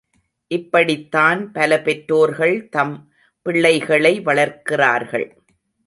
இப்படித்தான் பல பெற்றோர்கள் தம், பிள்ளைகளை வளர்க்கிறார்கள்.